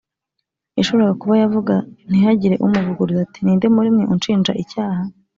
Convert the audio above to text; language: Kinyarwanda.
yashoboraga kuba yavuga ntihagire umuvuguruza ati, “ni nde muri mwe unshinja icyaha?”